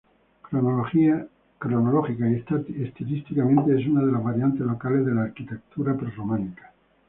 Cronológica y estilísticamente es una de las variantes locales de la arquitectura prerrománica.